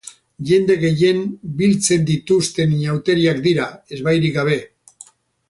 Jende gehien biltzen dituzten inauteriak dira, ezbairik gabe.